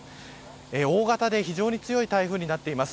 大型で非常に強い台風になっています。